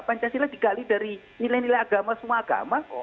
pancasila digali dari nilai nilai agama semua agama kok